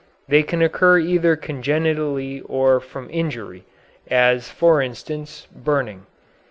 They can occur either congenitally or from injury, as, for instance, burning.